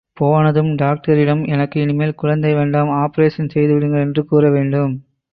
போனதும் டாக்டரிடம், எனக்கு இனிமேல் குழந்தை வேண்டாம் ஆப்பரேஷன் செய்துவிடுங்கள் என்று கூறவேண்டும்.